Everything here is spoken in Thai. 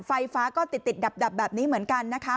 ไฟฟ้าก็ติดดับแบบนี้เหมือนกันนะคะ